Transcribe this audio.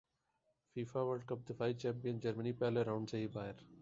FIFA World Cup دفاعی champion Germany پہلے round سے ہی باہر